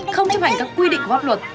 không chấp hành các quy định góp luật